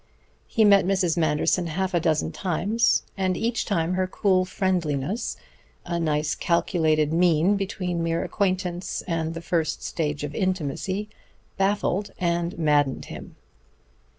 He met Mrs. Manderson half a dozen times, and each time her cool friendliness, a nicely calculated mean between mere acquaintance and the first stage of intimacy, baffled and maddened him.